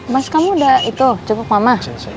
mas kamu udah cepuk mama